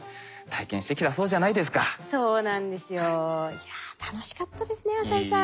いや楽しかったですね浅井さん。